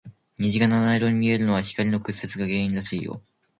虹が七色に見えるのは、光の屈折が原因らしいよ。